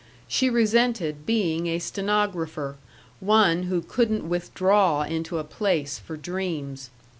She resented being a stenographer, one who couldn't withdraw into a place for dreams.